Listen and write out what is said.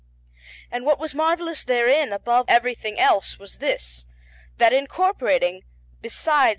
And what was marvellous therein above everything else was this, that incorporating, besides S.